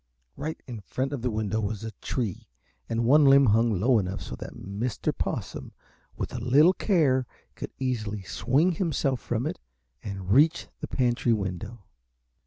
Right in front of the window was a tree and one limb hung low enough so that Mr. Possum with a little care could easily swing himself from it and reach the pantry window.